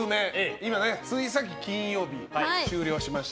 今ねついさっき金曜日終了しました。